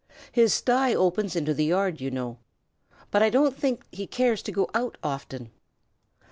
"His sty opens into the yard, you know. But I don't think he cares to go out often."